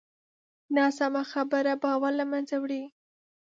ناسمه خبره باور له منځه وړي